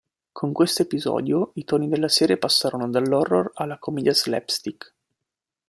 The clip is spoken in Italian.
Con questo episodio i toni della serie passano dall'horror alla commedia slapstick.